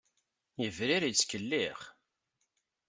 Yebrir yettkellix!